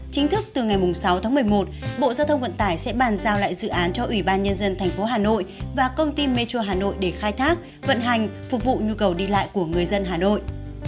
chính thức từ ngày sáu tháng một mươi một bộ giao thông vận tải sẽ bàn giao lại dự án cho ủy ban nhân dân tp hà nội và công ty metro hà nội để khai thác vận hành phục vụ nhu cầu đi lại của người dân hà nội